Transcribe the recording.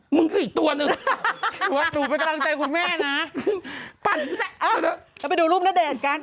มึงคืออีกตัวหนึ่งตัวหนูเป็นกำลังใจคุณแม่นะปั่นเราไปดูรูปณเดชน์กัน